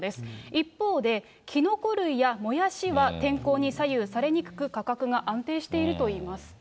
一方で、きのこ類やもやしは天候に左右されにくく、価格が安定しているといいます。